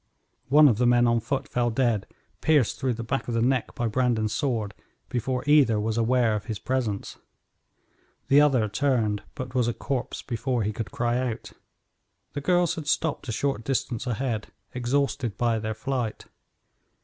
One of the men on foot fell dead, pierced through the back of the neck by Brandon's sword, before either was aware of his presence. The other turned, but was a corpse before he could cry out. The girls had stopped a short distance ahead, exhausted by their flight.